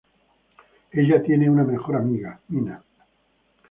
Ella tiene una mejor amiga, Mina.